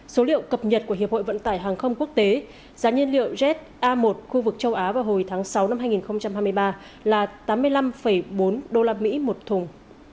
số liệu cập nhật của hiệp hội vận tải hàng không quốc tế giá nhiên liệu jet a một khu vực châu á vào hồi tháng sáu năm hai nghìn hai mươi ba là tám mươi năm bốn usd một thùng